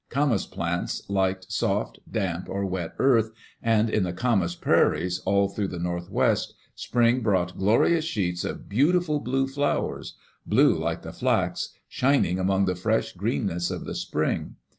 Camas plants liked soft, damp, or wet earth, and in the "camas prairies'* all through the Northwest, spring brought glorious sheets of beautiful blue flowers — blue like the flax — shining among the fresh greenness of the spring.